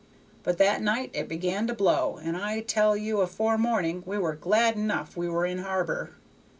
But that night it began to blow, and I tell you afore morning we were glad enough we were in harbor.